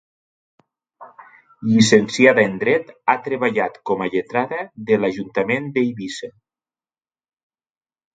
Llicenciada en dret, ha treballat com a lletrada de l'Ajuntament d'Eivissa.